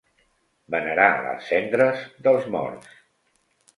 Venerar les cendres dels morts.